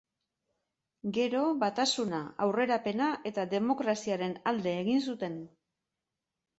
Gero Batasuna, Aurrerapena eta Demokraziaren alde egin zuten.